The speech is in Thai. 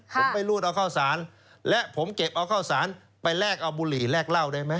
ผมไปรูดเอาข้าวสารและผมเก็บเอาข้าวสารไปแลกเอาบุหรี่แลกเหล้าได้ไหม